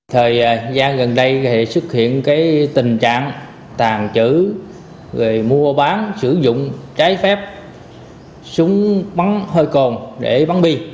thời gian gần đây xuất hiện tình trạng tàn trữ rồi mua bán sử dụng trái phép súng bắn hơi cồn để bắn bi